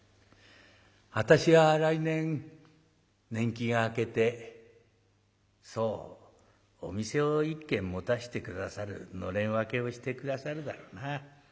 私は来年年季が明けてそうお店を１軒持たして下さる暖簾分けをして下さるだろうな。